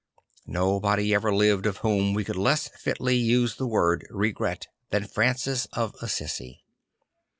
Nobody ever lived of whom we could less fitly use the word " regret" than Francis of Assisi.